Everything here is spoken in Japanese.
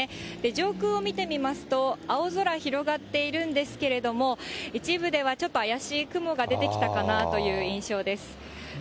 上空を見てみますと、青空広がっているんですけれども、一部ではちょっと怪しい雲が出てきたかなという印象です。